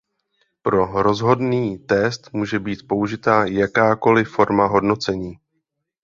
Pro rozhodný test může být použita jakákoli forma hodnocení.